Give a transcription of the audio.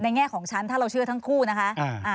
แง่ของฉันถ้าเราเชื่อทั้งคู่นะคะ